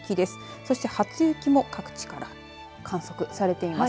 そして初雪も各地から観測されています。